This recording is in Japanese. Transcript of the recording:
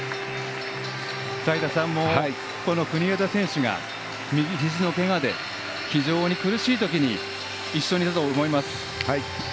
齋田さんもこの国枝選手が右ひじのけがで非常に苦しいときに一緒に出たと思います。